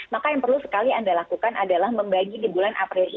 maka yang perlu sekali anda lakukan adalah membagi di bulan april ini